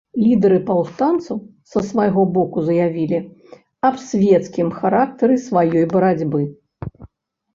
Лідары паўстанцаў, са свайго боку, заявілі аб свецкім характары сваёй барацьбы.